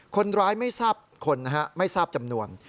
คนร้ายไม่ทราบจำนวน